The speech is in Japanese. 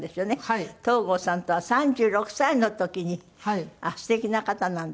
東郷さんとは３６歳の時にあっ素敵な方なんだ。